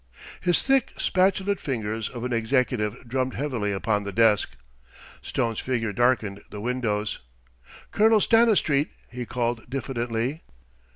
His thick, spatulate fingers of an executive drummed heavily upon the desk. Stone's figure darkened the windows. "Colonel Stanistreet?" he called diffidently.